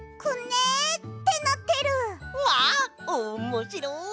わっおもしろい！